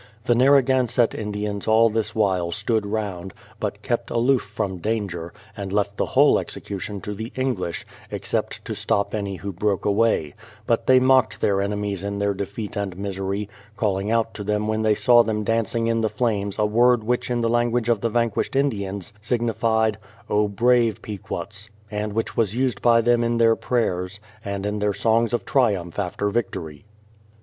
The Narragansett Indians all this while stood round, but kept aloof from danger, and left the whole execution to the English, except to stop any who broke away ; but they mocked their enemies in their defeat and misery, calling out to them when they saw them dancing in the flames a word which in the language of the vanquished Indians signified, O brave Pequots! and which ^vas used by them in their prayers, and in their songs of triumph after victory.